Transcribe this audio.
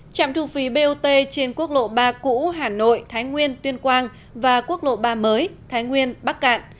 trạm thu phí bot trên quốc lộ ba cũ hà nội thái nguyên tuyên quang và quốc lộ ba mới thái nguyên bắc cạn